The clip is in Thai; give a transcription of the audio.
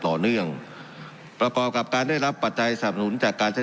ต่อเนื่องประกอบกับการได้รับปัจจัยสนับสนุนจากการใช้